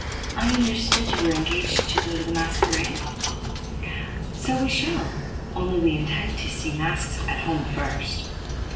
"I understood you were engaged to go to the Masquerade?" "So we shall; only we intend to see masks at home first."